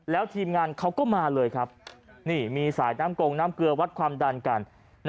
แล้วทีมงานเขาก็มาเลยครับนี่มีสายน้ำกงน้ำเกลือวัดความดันกัน